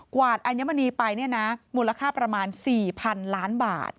กวาดอัญมณีไปมูลค่าประมาณ๔๐๐๐ล้านบาท